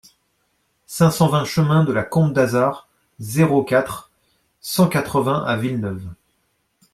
cinq cent vingt chemin de la Combe d'Azard, zéro quatre, cent quatre-vingts à Villeneuve